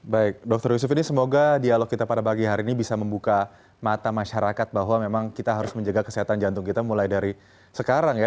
baik dr yusuf ini semoga dialog kita pada pagi hari ini bisa membuka mata masyarakat bahwa memang kita harus menjaga kesehatan jantung kita mulai dari sekarang ya